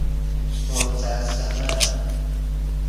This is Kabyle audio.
Ur ttɛassam ara.